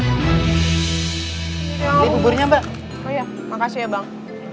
ya ya makasih ya bang